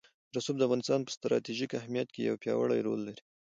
رسوب د افغانستان په ستراتیژیک اهمیت کې یو پیاوړی رول لري.